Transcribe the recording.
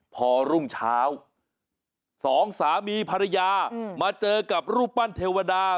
พอรุ่งเช้าสองสามีภรรยามาเจอกับรูปปั้นเทวดา